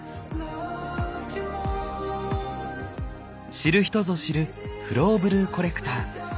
知る人ぞ知るフローブルーコレクター。